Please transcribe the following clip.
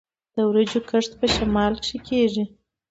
د وریجو کښت په شمال کې کیږي.